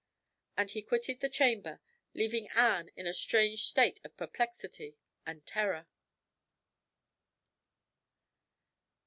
And he quitted the chamber, leaving Anne in a strange state of perplexity and terror.